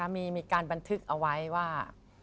มีการบันทึกเอาไว้ว่า